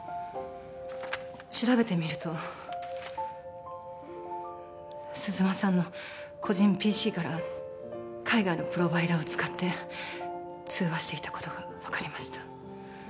調べてみると鈴間さんの個人ＰＣから海外のプロバイダーを使って通話していたことが分かりました